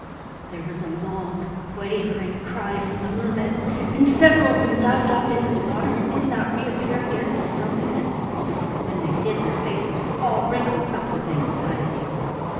There was a long, quavering cry from the mermen, and several of them dived off into the water and did not reappear again for some minutes; when they did, their faces were all wrinkled up with anxiety.